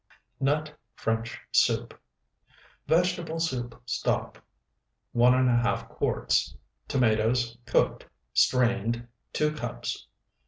NUT FRENCH SOUP Vegetable soup stock, 1½ quarts. Tomatoes, cooked, strained, 2 cups.